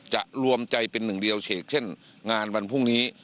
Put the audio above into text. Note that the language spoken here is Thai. รวมใจเป็นหนึ่งเดียวเฉกเช่นงานวันพรุ่งนี้